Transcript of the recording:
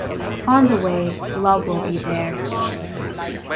On the way, love will be there.